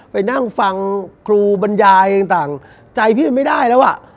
ไปนั่งฟังครูบรรยายต่างใจพี่มันไม่ได้แล้วอ่ะ